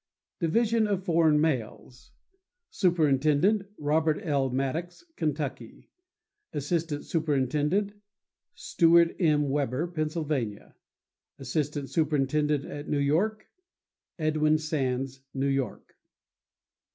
Division of Foreign Mails.— Superintendent.—Robert L. Maddox, Kentucky. Assistant Superintendent.—Stewart M. Weber, Pennsylvania. Assistant Superintendent at New York.—Edwin Sands, New York.